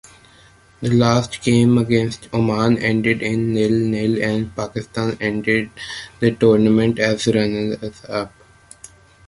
The last game against Oman ended nil-nil and Pakistan ended the tournament as runners-up.